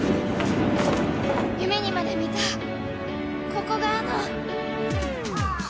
夢にまで見たここがあのえっ？